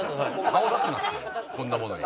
「顔出すなってこんなものに」